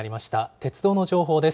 鉄道の情報です。